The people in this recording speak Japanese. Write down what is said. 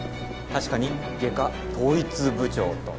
確かに「外科統一部長」と。